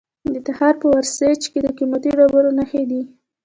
د تخار په ورسج کې د قیمتي ډبرو نښې دي.